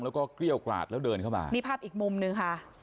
แล้วก็เกรี้ยวกราดแล้วเดินเข้ามานี่ภาพอีกมุมนึงค่ะ